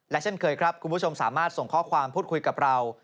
เช่นเคยครับคุณผู้ชมสามารถส่งข้อความพูดคุยกับเรา